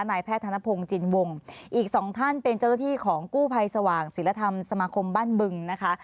นายแพทย์ธนพงศ์จินวงอีกสองท่านเป็นเจ้าหน้าที่ของกู้ภัยสว่างศิลธรรมสมาคมบ้านบึงนะคะ